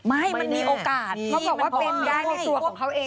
ไม่มันมีโอกาสเขาบอกว่าเป็นได้ในตัวของเขาเอง